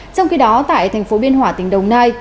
trong khi đó tại thành phố biên hòa tỉnh đồng nai